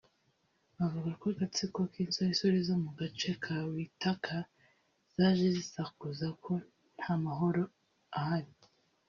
Bavuga ko agatsiko k’insoresore zo mu gace ka Waithaka zaje zisakuza ko nta mahoro ahari